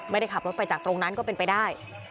ไม่ได้ขับรถไปจากตรงนั้นก็เป็นไปได้